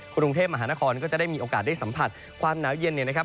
กรุงเทพมหานครก็จะได้มีโอกาสได้สัมผัสความหนาวเย็นเนี่ยนะครับ